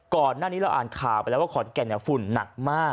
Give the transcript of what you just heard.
ก่อนหน้านี้เราอ่านข่าวไปแล้วว่าขอนแก่นฝุ่นหนักมาก